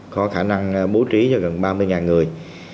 có khả năng bố trí cho gần ba mươi người